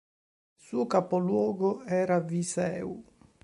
Il suo capoluogo era Viseu.